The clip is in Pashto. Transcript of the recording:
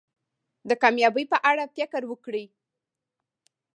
د کامیابی په اړه فکر وکړی.